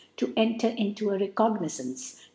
to enter into a Recognizance to ^